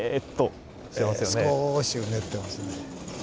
すこしうねってますね。